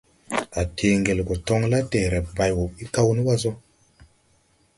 A tee ngel go toŋ la dɛɛre bay wo ɓi kaw ni wa so.